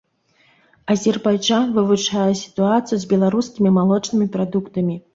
Азербайджан вывучае сітуацыю з беларускімі малочнымі прадуктамі.